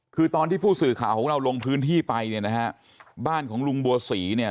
คือตอนที่ผู้สื่อข่าวของเราลงพื้นที่ไปเนี่ยนะฮะบ้านของลุงบัวศรีเนี่ย